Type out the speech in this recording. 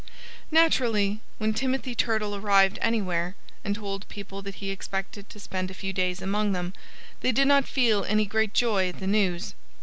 Naturally, when Timothy Turtle arrived anywhere and told people that he expected to spend a few days among them they did not feel any great joy at the news.